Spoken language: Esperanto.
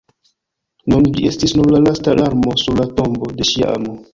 Nun ĝi estis nur la lasta larmo sur la tombo de ŝia amo!